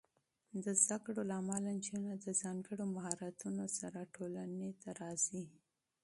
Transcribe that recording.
د تعلیم له امله، نجونې د ځانګړو مهارتونو سره ټولنې ته راځي.